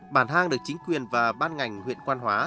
bản hang được chính quyền và ban ngành huyện quan hóa